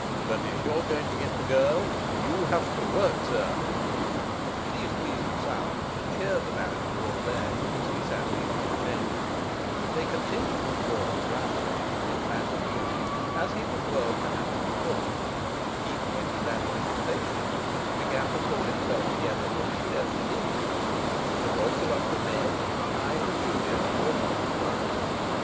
But if you're going to get the girl, you have to work, sir.' These pleasing sounds had cheered the barrister all day, as he sat reading in chambers; they continued to form the ground base of his manly musings as he was whirled to Hampton Court; even when he landed at the station, and began to pull himself together for his delicate interview, the voice of Uncle Ned and the eyes of Julia were not forgotten.